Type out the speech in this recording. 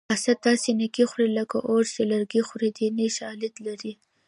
حسد داسې نیکي خوري لکه اور چې لرګي خوري دیني شالید لري